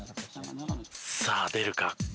さあ出るか？